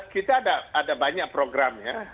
kita ada banyak program ya